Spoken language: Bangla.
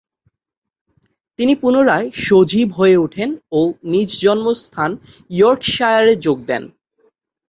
তিনি পুনরায় সজীব হয়ে উঠেন ও নিজ জন্মস্থান ইয়র্কশায়ারে যোগ দেন।